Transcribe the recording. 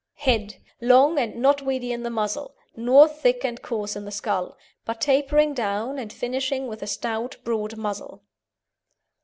HEAD Long and not weedy in the muzzle, nor thick and coarse in the skull, but tapering down and finishing with a stout broad muzzle.